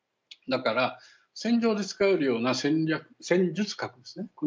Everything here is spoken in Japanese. だから戦場で使うるような戦術核ですね